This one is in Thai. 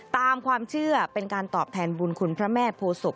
ตามความเชื่อเป็นการตอบแทนบุญคุณพระแม่โพศพ